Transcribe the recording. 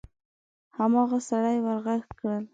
هماغه سړي ور غږ کړل: